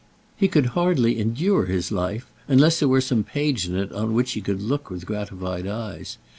He could hardly endure his life unless there were some page in it on which he could look with gratified eyes.